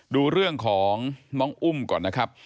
ดูเรื่องของน้องอุ้มก่อนนะครับ